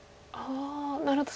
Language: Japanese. なるほど。